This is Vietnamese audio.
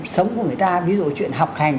sống của người ta ví dụ chuyện học hành